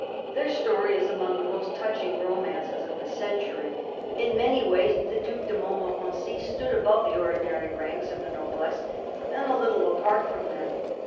Their story is among the most touching romances of the century. In many ways the Due de Montmorency stood above the ordinary ranks of the noblesse, and a little apart from them.